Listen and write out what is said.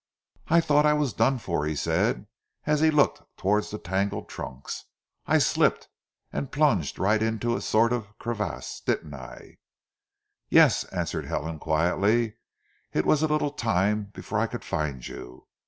"I thought I was done for," he said as he looked towards the tangled trunks. "I slipped and plunged right into a sort of crevasse, didn't I?" "Yes," answered Helen quietly. "It was a little time before I could find you.